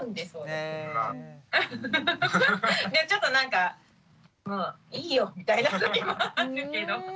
ちょっとなんかもういいよみたいなときもあるけど。